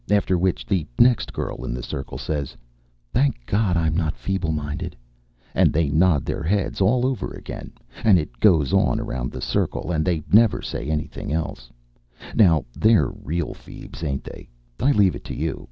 After which the next girl in the circle says, "Thank God I'm not feeble minded," and they nod their heads all over again. And it goes on around the circle, and they never say anything else. Now they're real feebs, ain't they? I leave it to you.